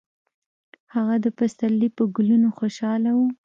هغه د پسرلي په ګلونو خوشحاله و.